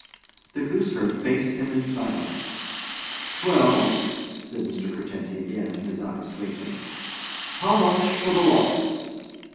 The gooseherd faced him in silence. 'Well,' said Mr. Curtenty again, his eyes twinkling, 'how much for the lot?'